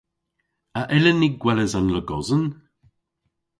A yllyn ni gweles an logosen?